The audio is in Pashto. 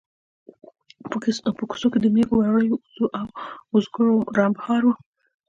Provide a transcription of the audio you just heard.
په کوڅو کې د مېږو، وريو، وزو او وزګړو رمبهار و.